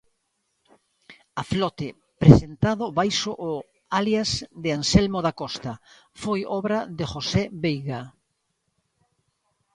A flote, presentado baixo o alias de Anselmo Dacosta, foi obra de José Veiga.